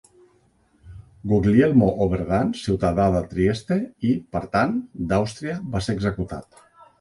Guglielmo Oberdan, ciutadà de Trieste i, per tant, d'Àustria, va ser executat.